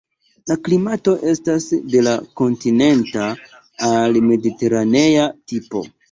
La klimato estas de la kontinenta al la mediteranea tipo.